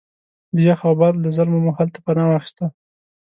د یخ او باد له ظلمه مو هلته پناه واخسته.